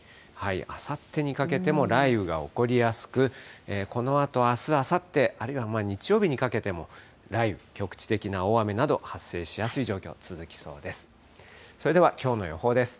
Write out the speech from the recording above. あさってにかけても雷雨が起こりやすく、このあと、あす、あさって、あるいは日曜日にかけても、雷雨、局地的な大雨など発生しやすい状況続きそうです。